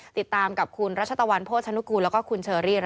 ติดตามกับคุณรัชตะวันโภชนุกูแล้วก็คุณเชอรี่รัตนภัยทูลค่ะ